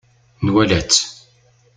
Nwala-tt.